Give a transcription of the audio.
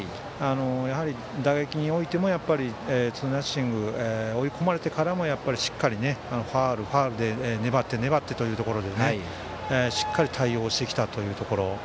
やはり打撃においてもツーナッシング追い込まれてからしっかりファウル、ファウルで粘って、粘ってというところでしっかり対応してきたというところ。